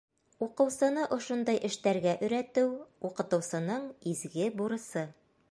Уҡыусыны ошондай эштәргә өйрәтеү — уҡытыусының изге бурысы.